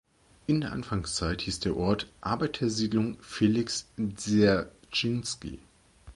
In der Anfangszeit hieß der Ort „Arbeitersiedlung Felix Dserschinski“.